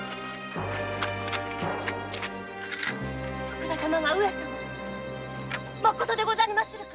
徳田様が上様まことでござりまするか？